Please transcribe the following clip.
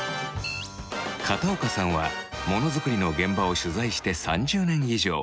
片岡さんはものづくりの現場を取材して３０年以上。